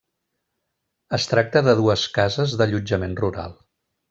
Es tracta de dues cases d'allotjament rural: